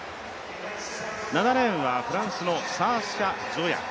７レーンはフランスのサーシャ・ゾヤ。